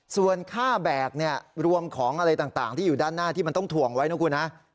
ส่วนค่าแบกเนี่ยรวมของอะไรต่างที่อยู่ด้านหน้าที่มันต้องถ่วงไว้นะคุณฮะ